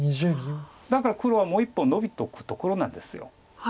だから黒はもう１本ノビとくところなんです。